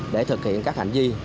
để thực hiện các hành vi